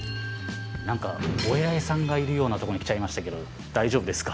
何かお偉いさんがいるようなとこに来ちゃいましたけど大丈夫ですか？